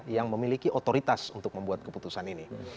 yang memiliki otoritas untuk membuat keputusan ini